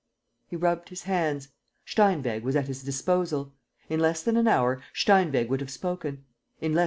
..." He rubbed his hands: Steinweg was at his disposal. In less than an hour, Steinweg would have spoken.